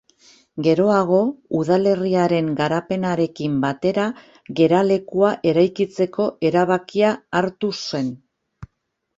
Geroago, udalerriaren garapenarekin batera geralekua eraikitzeko erabakia hartu zen.